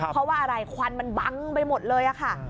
เพราะว่าอะไรควันมันบังไปหมดเลยค่ะ